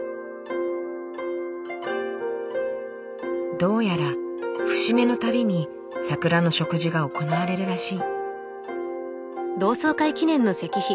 どうやら節目のたびに桜の植樹が行われるらしい。